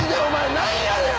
何やねん？